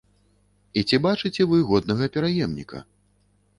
І ці бачыце вы годнага пераемніка?